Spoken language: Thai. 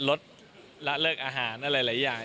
ลดรับเลิกอาหารหลายอย่าง